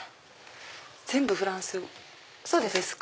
全部フランス語ですか？